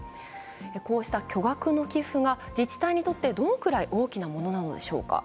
こうした巨額の寄付が自治体にとってどのくらい大きなものなのでしょうか。